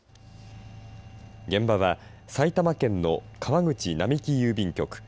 現場は埼玉県の川口並木郵便局。